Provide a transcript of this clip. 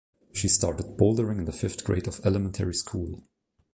She started bouldering in the fifth grade of elementary school.